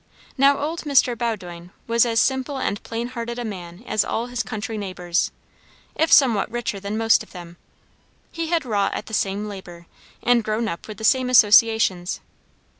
Now old Mr. Bowdoin was as simple and plain hearted a man as all his country neighbours, if somewhat richer than most of them; he had wrought at the same labour, and grown up with the same associations.